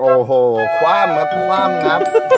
โอ้โห้ฝว่าเลยนะ